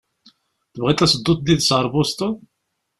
Tebɣiḍ ad tedduḍ yid-s ɣer Boston?